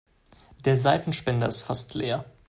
Der Seifenspender ist fast leer.